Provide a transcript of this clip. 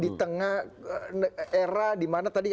di tengah era dimana tadi